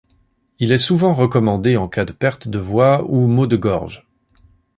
Il est souvent recommandé en cas de perte de voix ou maux de gorge.